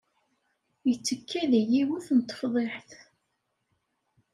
Yettekka deg yiwet n tefḍiḥt.